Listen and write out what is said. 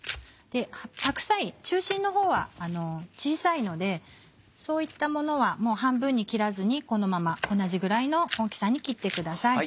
白菜中心のほうは小さいのでそういったものは半分に切らずにこのまま同じぐらいの大きさに切ってください。